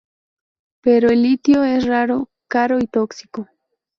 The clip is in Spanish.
Pero el litio es raro, caro y tóxico.